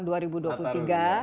nataruh ya persiapan nataruh